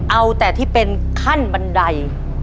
เอาแต่ที่เป็นขั้นบันได